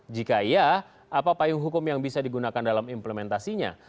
jika iya apa payung hukum yang bisa digunakan dalam implementasinya